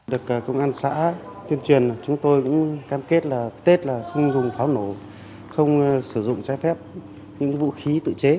được công an xã tuyên truyền chúng tôi cũng cam kết là tết là không dùng pháo nổ không sử dụng trái phép những vũ khí tự chế